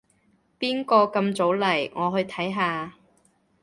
邊個咁早嚟？我去睇下